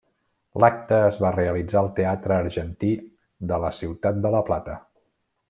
L'acte es va realitzar al Teatre Argentí de la ciutat de La Plata.